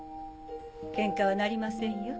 ケンカはなりませんよ。